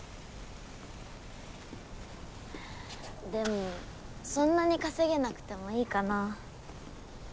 でもそんなに稼げなくてもいいかな。